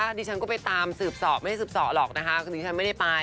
ดิฉันก็ไปตามสืบสอบไม่ได้สืบสอบหรอกนะคะคือดิฉันไม่ได้ไป